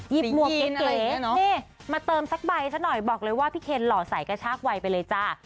หมวกเก๋มาเติมสักใบซะหน่อยบอกเลยว่าพี่เคนหล่อใสกระชากวัยไปเลยจ้า